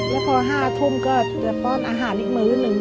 แล้วพอ๕ทุ่มก็จะป้อนอาหารอีกมื้อหนึ่ง